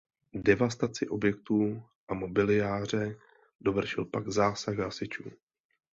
Devastaci objektu a mobiliáře dovršil pak zásah hasičů.